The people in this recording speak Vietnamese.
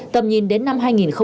tầm nhìn đến năm hai nghìn ba mươi